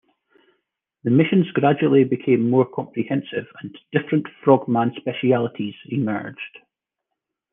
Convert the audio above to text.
The missions gradually become more comprehensive and different frogman specialities emerged.